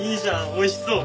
おいしそう。